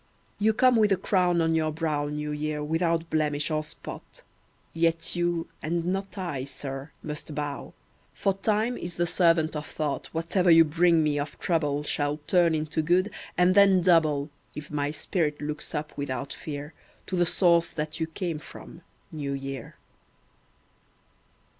You come with a crown on your brow, New Year, without blemish or spot; Yet you, and not I, sir, must bow, For time is the servant of thought Whatever you bring me of trouble Shall turn into good, and then double, If my spirit looks up without fear To the Source that you came from, New Year.